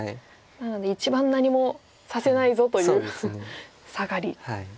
なので一番何もさせないぞというサガリ。